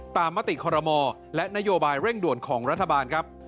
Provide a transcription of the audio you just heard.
มติคอรมอและนโยบายเร่งด่วนของรัฐบาลครับ